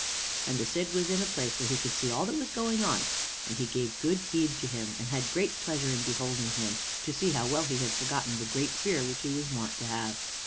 And the Cid was in a place where he could see all that was going on, and he gave good heed to him, and had great pleasure in beholding him, to see how well he had forgotten the great fear which he was wont to have.